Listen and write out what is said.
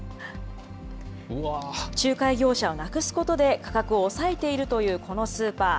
仲介業者をなくすことで価格を抑えているというこのスーパー。